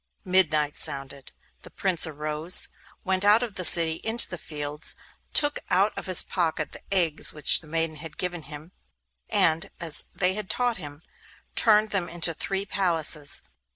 Midnight sounded. The Prince arose, went out of the city into the fields, took out of his pocket the eggs which the maidens had given him, and, as they had taught him, turned them into three palaces.